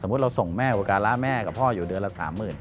เราส่งแม่อุปการะแม่กับพ่ออยู่เดือนละ๓๐๐๐